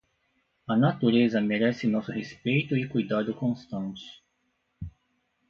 A natureza merece nosso respeito e cuidado constante.